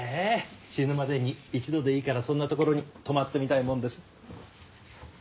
死ぬまでに一度でいいからそんな所に泊まってみたいもんです。